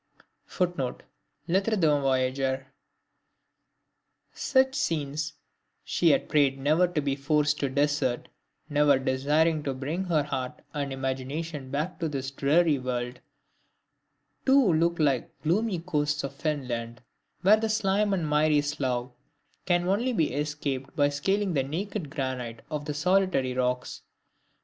[Footnote: LETTRES D'UN VOYAGEUR] Such scenes she had prayed never to be forced to desert never desiring to bring her heart and imagination back to this dreary world, too like the gloomy coasts of Finland, where the slime and miry slough can only be escaped by scaling the naked granite of the solitary rocks.